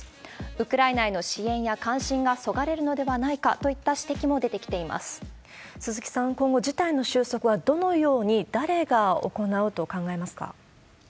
ウクライナへの支援や関心がそがれるのではないかといった指摘も鈴木さん、今後、事態の収束はどのように、誰が行うと考えますか？